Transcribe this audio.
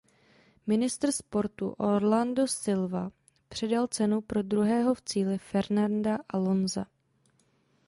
Ministr sportu Orlando Silva předal cenu pro druhého v cíli Fernanda Alonsa.